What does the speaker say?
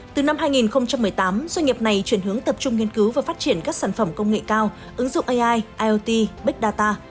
từ năm hai nghìn một mươi tám doanh nghiệp này chuyển hướng tập trung nghiên cứu và phát triển các sản phẩm công nghệ cao ứng dụng ai iot big data